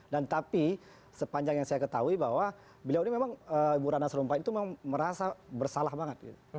dan tapi sepanjang yang saya ketahui bahwa beliau ini memang ibu ratna serumpah itu merasa bersalah banget